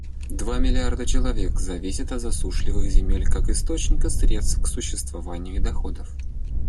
Два миллиарда человек зависят от засушливых земель как источника средств к существованию и доходов.